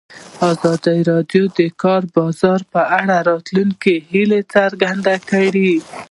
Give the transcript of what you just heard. ازادي راډیو د د کار بازار په اړه د راتلونکي هیلې څرګندې کړې.